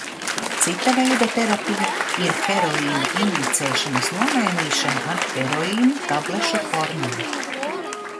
Cita veida terapija ir heroīna injicēšanas nomainīšana ar heroīnu tablešu formā.